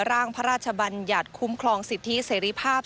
ร่างพระราชบัญญัติคุ้มครองสิทธิเสรีภาพ